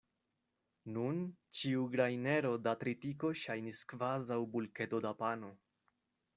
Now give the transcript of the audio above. Nun ĉiu grajnero da tritiko ŝajnis kvazaŭ bulketo da pano.